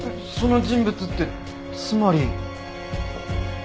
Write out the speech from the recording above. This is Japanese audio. その人物ってつまり。